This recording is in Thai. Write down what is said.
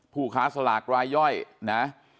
ผู้ค้าสลากรายย่อยนะ